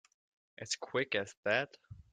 As quick as that?